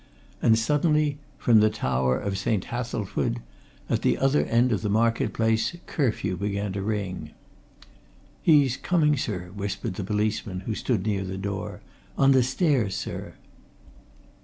And suddenly, from the tower of St. Hathelswide, at the other end of the market place, curfew began to ring. "He's coming, sir!" whispered the policeman who stood near the door. "On the stairs, sir."